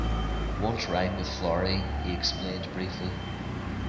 "Won't rhyme with Florrie," he explained briefly.